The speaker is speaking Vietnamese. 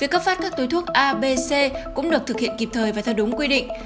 các ca thuốc c cũng được thực hiện kịp thời và theo đúng quy định